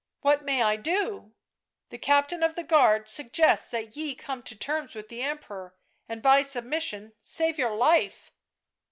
" What may I do?" " The captain of the guard suggests that ye come to terms with the Emperor, and by submission save your life."